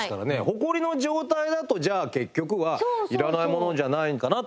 ホコリの状態だとじゃあ結局はいらないものじゃないんかなっていう。